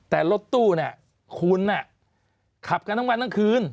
แต่รถตู้เนี่ยคุณขับกันทั้งวันทั้งคืน